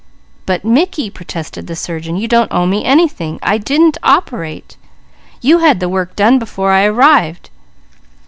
"But Mickey," protested the surgeon, "you don't owe me anything. I didn't operate! You had the work done before I arrived.